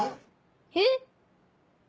えっ！